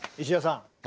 石田さん。